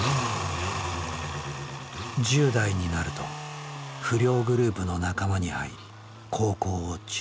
１０代になると不良グループの仲間に入り高校を中退。